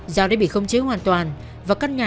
do đây bị không chế hoàn toàn và các nhà